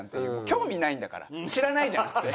興味ないんだから「知らない」じゃなくて。